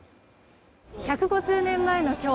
１５０年前の今日